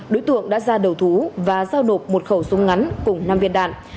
đối tượng đã ra đầu thú và giao nộp một khẩu súng ngắn cùng năm viên đạn